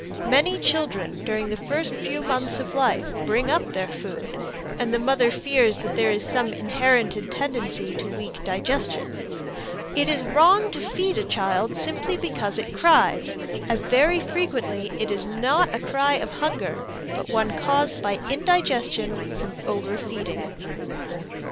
Many children during the first few mouths of life bring up their food, and the mother fears that there is some inherited tendency to weak digestion. It is wrong to feed a child simply because it cries, as very frequently it is not a cry of hunger, but one caused by indigestion from overfeeding.